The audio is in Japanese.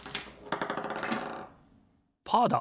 パーだ！